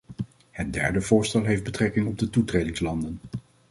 Het derde voorstel heeft betrekking op de toetredingslanden.